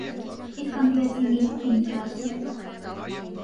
Իսկ անգլիացին գիտե՞ք ինչ է ասում: